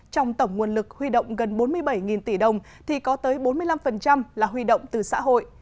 trong tổng nguồn lực huy động gần bốn mươi bảy tỷ đồng thì có tới bốn mươi năm là huy động từ xã hội